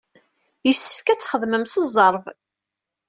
Yessefk ad txedmem s zzerb.